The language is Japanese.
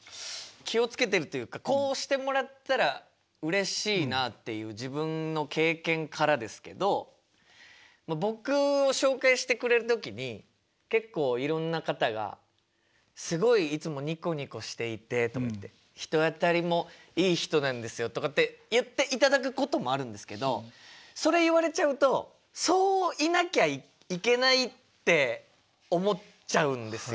気をつけてるっていうかこうしてもらったらうれしいなっていう自分の経験からですけど僕を紹介してくれる時に結構いろんな方が「すごいいつもにこにこしていて」とかって「人当たりもいい人なんですよ」とかって言っていただくこともあるんですけどそれ言われちゃうとそういなきゃいけないって思っちゃうんですよ。